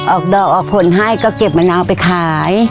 ออกดอกออกผลให้ก็เก็บมะนาวไปขาย